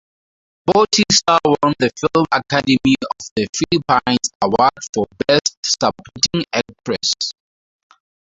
Bautista won the Film Academy of the Philippines Award for Best Supporting Actress.